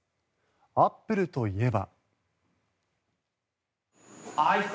アップルといえば。